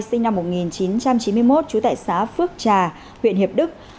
sinh năm một nghìn chín trăm chín mươi một trú tại xã phước trà huyện hiệp đức